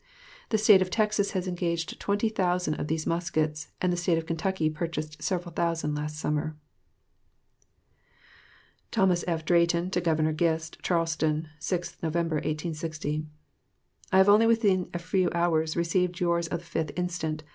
The State of Texas has engaged twenty thousand (20,000) of these muskets, and the State of Kentucky purchased several thousand last summer. Ibid. THOS. F. DRAYTON TO GOVERNOR GIST. CHARLESTON, 6th Nov., 1860. I have only within a few hours received yours of the 5th inst.